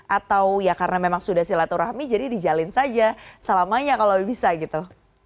atau ya karena memang sudah silaturahmi jadi dijalin saja selamanya kalau bisa gitu